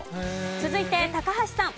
続いて高橋さん。